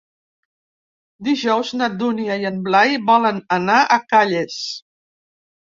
Dijous na Dúnia i en Blai volen anar a Calles.